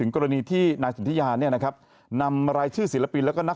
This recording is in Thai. ครบปิณค์